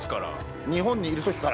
日本にいる時から。